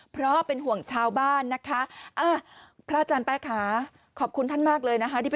เพราะเป็นห่วงชาวบ้านนะคะพระอาจารย์แป๊บขาขอบคุณท่านมากเลยนะฮะ